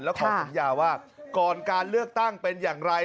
แล้วขอสัญญาว่าก่อนการเลือกตั้งเป็นอย่างไร